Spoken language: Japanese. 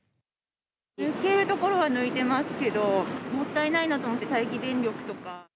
抜けるところは抜いてますけど、もったいないなと思って、待機電力とか。